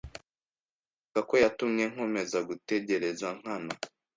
Birashoboka ko yatumye nkomeza gutegereza nkana.